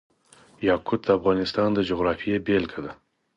یاقوت د افغانستان د جغرافیې بېلګه ده.